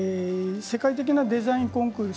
世界的なデザインコンクール